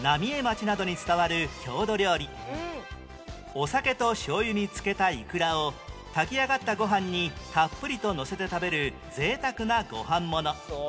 お酒としょう油に漬けたイクラを炊き上がったご飯にたっぷりとのせて食べる贅沢なご飯もの